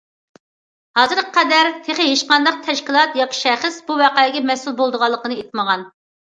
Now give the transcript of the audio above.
ھازىرغا قەدەر، تېخى ھېچقانداق تەشكىلات ياكى شەخس بۇ ۋەقەگە مەسئۇل بولىدىغانلىقىنى ئېيتمىغان.